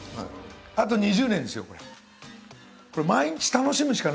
あと２０年ですよこれ。